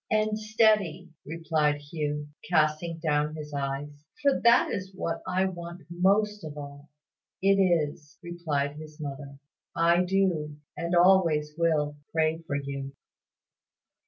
"And steady," replied Hugh, casting down his eyes; "for that is what I want most of all." "It is," replied his mother. "I do, and always will, pray for you."